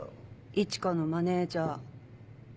一花のマネジャー。